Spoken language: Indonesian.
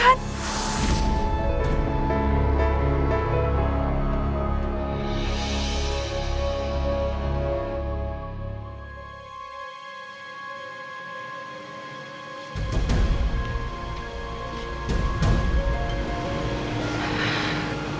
ya tuhan terima kasih tuhan